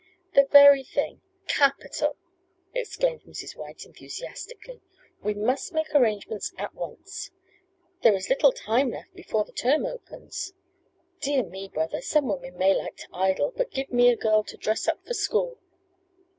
"The very thing! Capital!" exclaimed Mrs. White enthusiastically. "We must make arrangements at once. There is little time left before the term opens. Dear me, brother, some women may like to idle, but give me a girl to dress up for school!